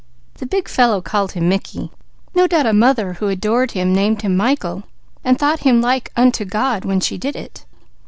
"The big fellow called him 'Mickey'; no doubt a mother who adored him named him Michael, and thought him 'like unto God' when she did it.